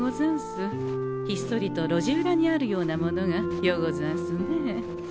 ひっそりと路地裏にあるようなものがようござんすね。